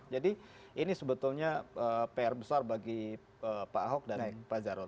jadi ini sebetulnya pr besar bagi pak ahok dan pak jaro